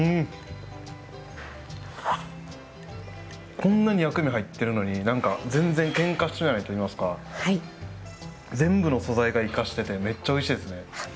こんなに薬味入ってるのになんか全然けんかしてないといいますか全部の素材が生かしててめっちゃおいしいですねで